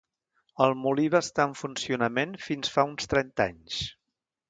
El molí va estar en funcionament fins fa uns trenta anys.